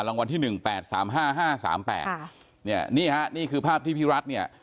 รางวัลที่หนึ่งแปดสามห้าห้าสามแปดค่ะเนี่ยนี่ฮะนี่คือภาพที่พี่รัฐเนี่ย